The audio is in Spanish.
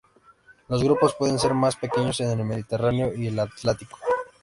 Los grupos pueden ser más pequeños en el Mediterráneo y el Atlántico.